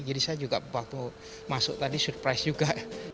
jadi saya juga waktu masuk tadi surprise juga